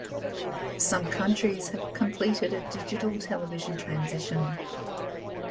Some countries have completed a Digital television transition.